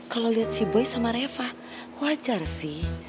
kalau lihat si boy sama reva wajar sih